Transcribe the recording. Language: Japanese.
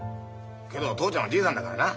けど父ちゃんはじいさんだからな。